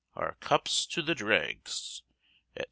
Our cups to the dregs, &c.